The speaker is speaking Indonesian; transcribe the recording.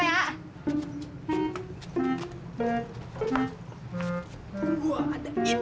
bentar ya pak yaak